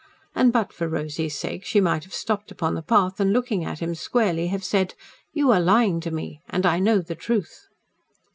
And but for Rosy's sake, she might have stopped upon the path and, looking at him squarely, have said, "You are lying to me. And I know the truth."